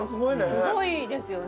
すごいですよね